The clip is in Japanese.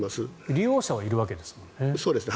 利用者はいるわけですもんね。